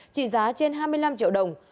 trị giá trên hai mươi năm triệu đồng